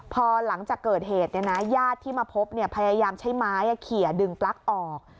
พอหลังจากเกิดเหตุญาติที่มาพบพยายามใช้ไม้เขียดึงปลั๊กออก